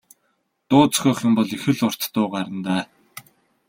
Дуу зохиох юм бол их л урт дуу гарна даа.